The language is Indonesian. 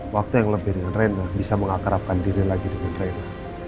waktu yang lebih dengan rena bisa mengakrabkan diri lagi dengan rena